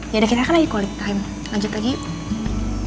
yaudah kita kan lagi kulit lanjut lagi yuk